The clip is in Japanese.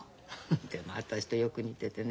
でも私とよく似ててね